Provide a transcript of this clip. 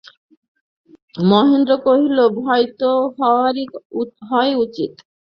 মহেন্দ্র কহিল, ভয় তো হওয়াই উচিত।